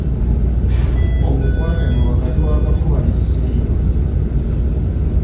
Obukwatane wakati w’akafuba ne siriimu.